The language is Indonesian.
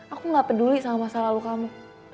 aku gak peduli sama masa lalu kamu